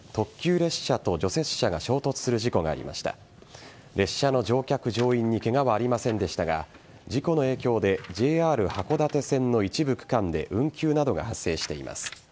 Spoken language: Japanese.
列車の乗客乗員にケガはありませんでしたが事故の影響でＪＲ函館線の一部区間で運休などが発生しています。